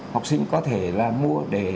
học sinh có thể là mua để